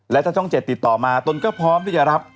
และถ้าช่อง๗ติดต่อมาตนก็พร้อมที่จะรับ